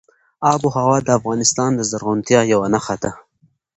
آب وهوا د افغانستان د زرغونتیا یوه نښه ده.